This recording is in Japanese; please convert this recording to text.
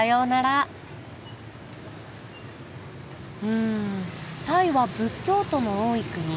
んタイは仏教徒の多い国。